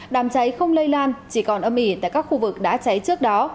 đám cháy không lây lan chỉ còn âm ỉ tại các khu vực đã cháy trước đó